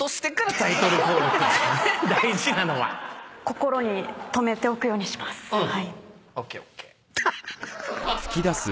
心に留めておくようにします。